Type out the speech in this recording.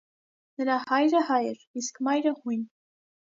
Նրա հայրը հայ էր, իսկ մայրը հույն։